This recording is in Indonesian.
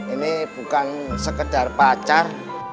ini bukan sekedar pacar